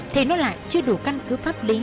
thì nó lại chưa đủ căn cứ pháp lý